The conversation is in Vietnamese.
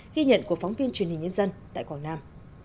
ghi nhận của phóng viên truyền hình nhân dân tại quảng nam